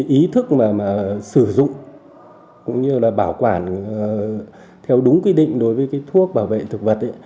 ý thức mà sử dụng cũng như là bảo quản theo đúng quy định đối với cái thuốc bảo vệ thực vật